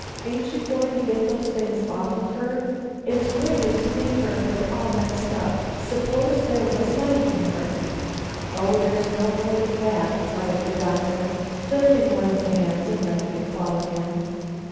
Aint you going to take those things off of her? It's wicked to leave her under all that stuff. Suppose there was life in her!" "Oh! there's no hope of that," muttered the doctor, lifting one of the hands, and letting it fall again.